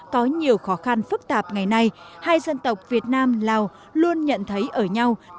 có nhiều khó khăn phức tạp ngày nay hai dân tộc việt nam lào luôn nhận thấy ở nhau